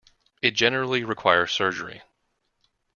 It generally requires surgery.